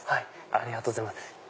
ありがとうございます。